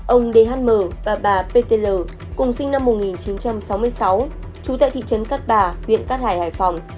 ông dhm và bà ptl cùng sinh năm một nghìn chín trăm sáu mươi sáu trú tại thị trấn cát bà huyện cát hải hải phòng